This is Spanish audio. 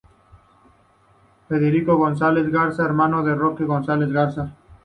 Federico González Garza -hermano de Roque González Garza-.